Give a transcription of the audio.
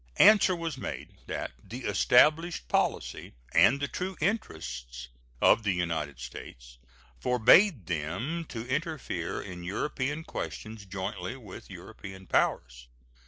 Answer was made that the established policy and the true interests of the United States forbade them to interfere in European questions jointly with European powers.